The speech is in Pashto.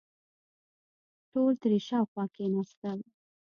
ټول ترې شاوخوا کېناستل.